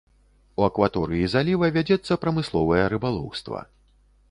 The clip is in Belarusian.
У акваторыі заліва вядзецца прамысловае рыбалоўства.